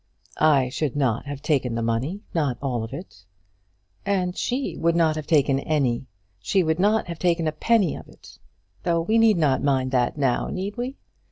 "I should not have taken the money not all of it." "And she would not have taken any. She would not have taken a penny of it, though we need not mind that now; need we?